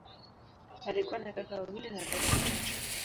Alikuwa na kaka wawili na dada watatu.